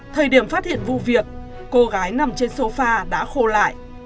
thời điểm phát hiện vụ việc cô gái nằm trên sofa đã khô lại